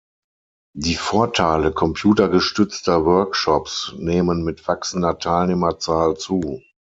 Die Vorteile computergestützter Workshops nehmen mit wachsender Teilnehmerzahl zu.